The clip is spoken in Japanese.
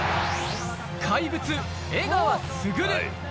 怪物、江川卓。